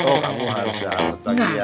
oh kamu harus dapet lagi ya